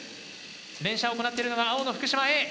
連射を行ってるのが青の福島Ａ。